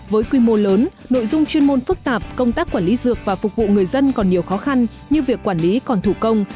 với quy mô lớn nội dung chuyên môn phức tạp công tác quản lý dược và phục vụ người dân còn nhiều khó khăn như việc quản lý còn thủ công